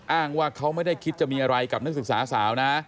อ้างว่าเขาไม่ได้คิดจะมีอะไรกับนักศึกษาสาวนะ